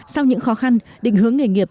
sau những khó khăn định hướng nghề nghiệp